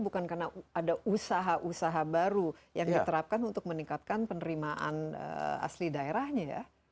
bukan karena ada usaha usaha baru yang diterapkan untuk meningkatkan penerimaan asli daerahnya ya